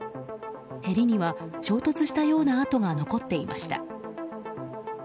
へりには衝突したような跡が残っていました。